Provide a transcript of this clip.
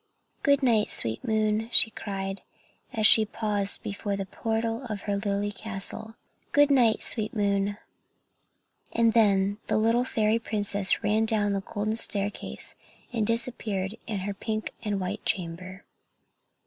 "Good night, sweet moon!" she cried, as she paused before the portal of her lily castle, "good night, sweet moon!" And then the little fairy princess ran down the golden staircase and disappeared in her pink and white chamber.